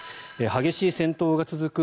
激しい戦闘が続く